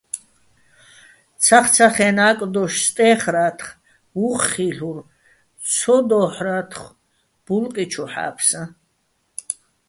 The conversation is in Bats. ცახცახა́ჲნო ა́კდოშ სტე́ხრა́თხ, უხ ხილ'ურ, ცო დო́ჰ̦რათხო ბულყი ჩუ ჰ̦ა́ფსაჼ.